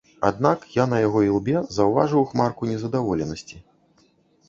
Аднак я на яго ілбе заўважыў хмарку незадаволенасці.